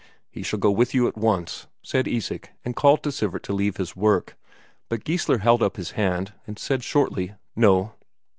"He shall go with you at once," said Isak, and called to Sivert to leave his work. But Geissler held up his hand, and said shortly: "No."